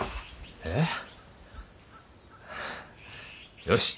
えっ？よし。